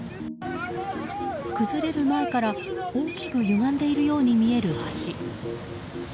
崩れる前から大きくゆがんでいるように見える橋。